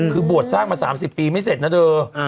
คือบวชสร้างมา๓๐ปีไม่เสร็จนะเธอ